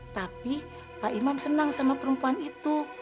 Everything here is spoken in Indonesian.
tapi pak imam senang sama perempuan itu